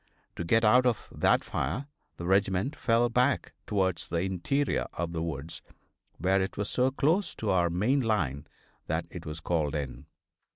To get out of that fire the regiment fell back towards the interior of the woods, where it was so close to our main line that it was called in.